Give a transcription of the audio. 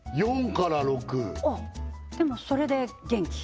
４から６ああでもそれで元気？